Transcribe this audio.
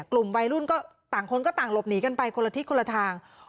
กลุ่มวัยรุ่นก็ต่างคนก็ต่างหลบหนีกันไปคนละทิศคนละทาง